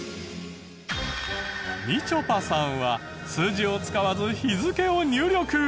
みちょぱさんは数字を使わず日付を入力。